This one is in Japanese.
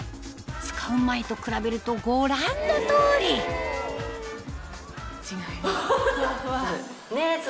使う前と比べるとご覧の通り違います